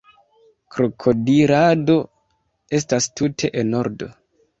Krokodilado estas tute enordo